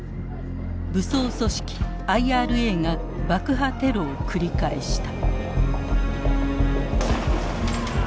武装組織ＩＲＡが爆破テロを繰り返した。